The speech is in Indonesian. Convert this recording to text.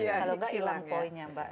kalau enggak hilang poinnya mbak